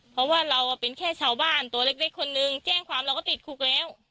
เพราะว่าเราเป็นแค่ชาวบ้านตัวเล็กคนนึงแจ้งความเราก็ติดคุกแล้ว